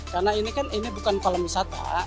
karena ini kan bukan kolam wisata